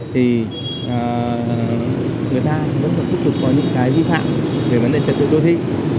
thì người ta vẫn còn tiếp tục có những cái vi phạm về vấn đề trật tự đô thị